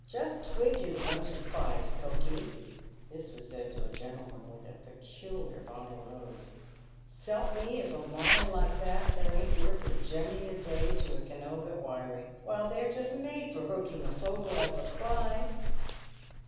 Just twig his bunch of fives, Conkey" (this was said to a gentleman with a peculiar bottle nose). " S'elp me ! if a mauley like that there ain't worth a jemmy a day to a kenobe at wiring. Why, they're just made for hooking a fogle out of a clye."